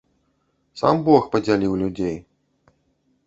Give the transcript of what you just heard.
Сам бог падзяліў людзей.